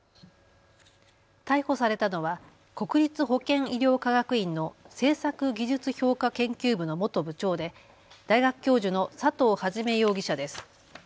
逮捕されたのは国立保健医療科学院の政策技術評価研究部の元部長で大学教授の佐藤元容疑者です。